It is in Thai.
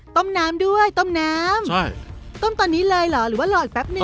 ต้มน้ำด้วยต้มน้ำใช่ต้มตอนนี้เลยเหรอหรือว่ารออีกแป๊บนึ